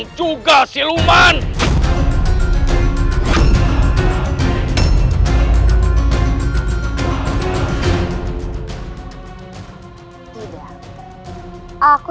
seperti kau seperti kau seperti kau